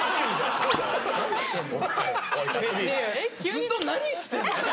ずっと何してんの？